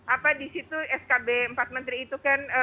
apa disitu skb empat menteri itu kan